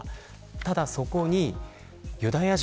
ただ、そこにユダヤ人